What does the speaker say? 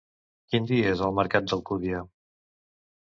Quin dia és el mercat de l'Alcúdia?